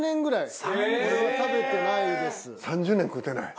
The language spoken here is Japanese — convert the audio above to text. ３０年食うてない？